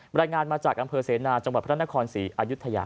รายงานมาจากอำเภอเสนาจังหวัดพระนครศรีอายุทยา